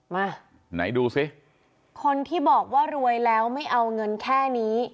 มาไหนดูสิคนที่บอกว่ารวยแล้วไม่เอาเงินแค่นี้